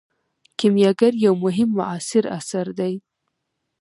کیمیاګر یو مهم معاصر اثر دی.